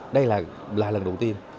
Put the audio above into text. đây là lần đầu tiên